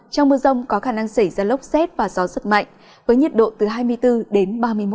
trong mưa rông có khả năng xảy ra lốc xét và gió rất mạnh với nhiệt độ từ hai mươi bốn đến ba mươi một độ